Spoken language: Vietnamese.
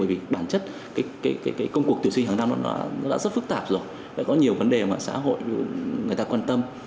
bởi vì bản chất cái công cuộc tuyển sinh hàng năm nó đã rất phức tạp rồi có nhiều vấn đề mà xã hội người ta quan tâm